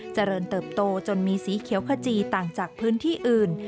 เจริญเติบโตจนมีสีเขียวขจีต่างจากพื้นที่อื่น